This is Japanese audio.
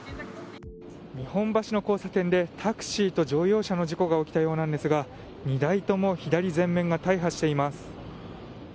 日本橋の交差点でタクシーと乗用車の事故が起きたようなんですが２台とも左前面が大破しています。